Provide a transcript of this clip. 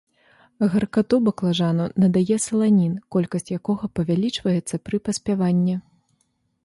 Гаркату баклажану надае саланін, колькасць якога павялічваецца пры паспяванні.